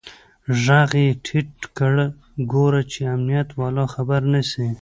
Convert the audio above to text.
ږغ يې ټيټ کړ ګوره چې امنيت والا خبر نسي.